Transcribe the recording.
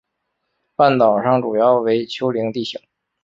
半岛上主要为丘陵地形。